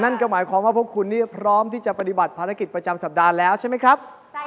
นั่นก็หมายความว่าพวกคุณนี่พร้อมที่จะปฏิบัติภารกิจประจำสัปดาห์แล้วใช่ไหมครับ